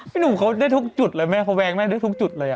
หนุ่มเขาได้ทุกจุดเลยแม่เขาแวงแม่ได้ทุกจุดเลย